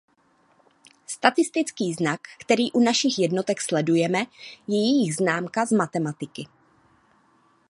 Statistický znak který u našich jednotek sledujeme je jejich známka z matematiky.